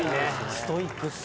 ストイックだし。